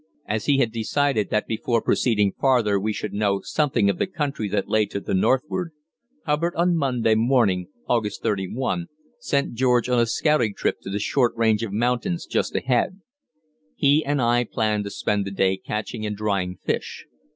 As he had decided that before proceeding farther we should know something of the country that lay to the northward, Hubbard on Monday morning (August 31) sent George on a scouting trip to the short range of mountains just ahead. He and I planned to spend the day catching and drying fish.